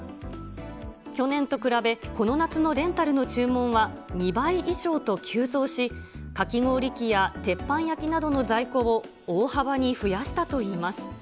去年と比べ、この夏のレンタルの注文は、２倍以上と急増し、かき氷機や鉄板焼きなどの在庫を大幅に増やしたといいます。